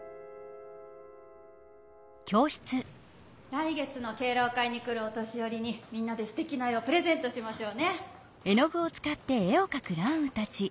来月の敬老会に来るお年よりにみんなですてきな絵をプレゼントしましょうね。